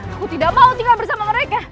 aku tidak mau tinggal bersama mereka